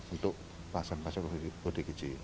untuk pasien pasien covid sembilan belas